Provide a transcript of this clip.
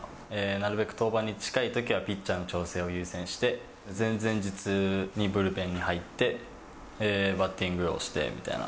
なるべく登板に近いときは、ピッチャーの調整を優先して、前々日にブルペンに入って、バッティングをしてみたいな。